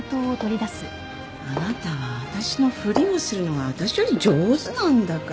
あなたは私のふりをするのが私より上手なんだから。